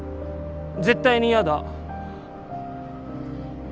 絶対に嫌だ。